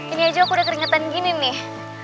ini aja aku udah keringetan gini nih